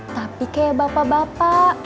tapi kayak bapak bapak